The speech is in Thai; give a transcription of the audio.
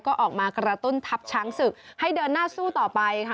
ก็ออกมากระตุ้นทัพช้างศึกให้เดินหน้าสู้ต่อไปค่ะ